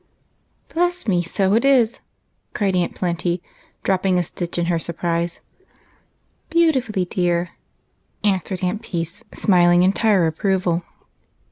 " Bless me, so it is !" cried Aunt Plenty, dropping a stitch in her surprise. " Beautifully, deui ," answered Aunt Peace, smiling entire approval.